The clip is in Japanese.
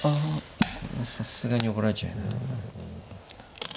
さすがに怒られちゃうよな。